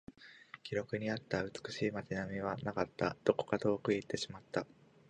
記録にあった美しい街並みはなかった。どこか遠くに行ってしまった。